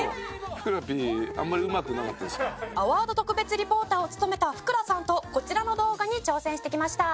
ふくらＰ」「ＡＷＡＲＤ特別リポーターを務めたふくらさんとこちらの動画に挑戦してきました」